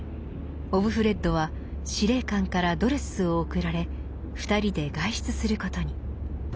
オブフレッドは司令官からドレスを贈られ２人で外出することに。